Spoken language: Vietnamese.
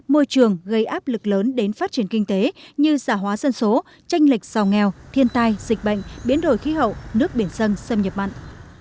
môi trường gây áp lực lớn đến phát triển kinh tế như xã hóa dân số tranh lệch xào nghèo thiên tai dịch bệnh biến đổi khí hậu nước biển sân xâm nhập mạnh